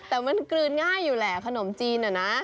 แต่มันกลืนง่ายอยู่แหละขนมจีนอะนะ